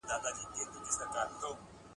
د لنډمهاله اهدافو لپاره کار اخیستل کېږي